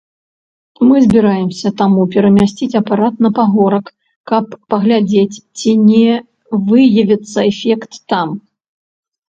Мы збіраемся таму перамясціць апарат на пагорак, каб паглядзець, ці не выявіцца эфект там.